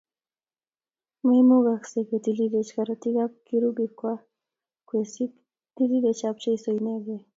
Maimukasgei ketililech korotik ab kirugikak kwesik, itililech ab Jeso inekei